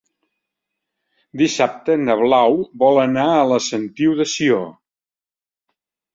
Dissabte na Blau vol anar a la Sentiu de Sió.